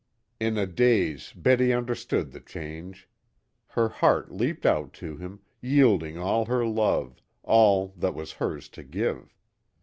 In a daze Betty understood the change. Her heart leaped out to him, yielding all her love, all that was hers to give.